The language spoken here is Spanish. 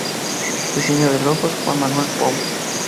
Diseño de logos: Juan Manuel Ponce.